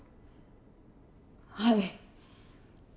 はい。